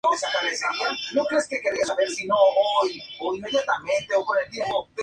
Ejerció como organista en los destinos religiosos que ocupó.